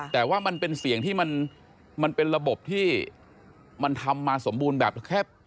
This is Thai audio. แต่ว่ามันเป็นเสียงที่มันเป็นระบบที่มันทำมาสมบูรณ์แบบแค่